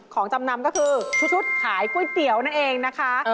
จำนำก็คือชุดขายก๋วยเตี๋ยวนั่นเองนะคะ